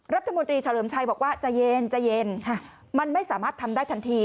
รัฐมนตรีเฉลิมชัยบอกว่าจะเย็นใจเย็นมันไม่สามารถทำได้ทันที